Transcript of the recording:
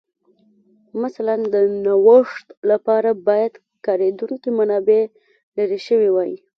مثلاً د نوښت لپاره باید کارېدونکې منابع لرې شوې وای